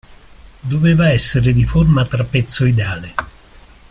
Doveva essere di forma trapezoidale.